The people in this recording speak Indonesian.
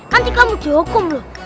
nanti kamu dihukum loh